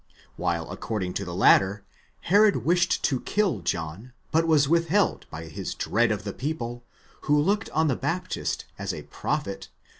While according to the latter, Herod wished to kill John, but was withheld by his dread of the people, who looked on the Baptist as a prophet (v.